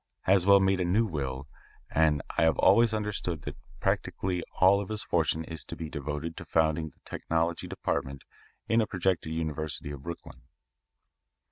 Haswell made a new will, and I have always understood that practically all of his fortune is to be devoted to founding the technology department in a projected university of Brooklyn."